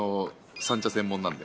三茶、三宿専門なんで。